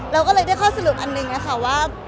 เราก็เลยได้ข้อสรุปอันหนึ่งค่ะว่า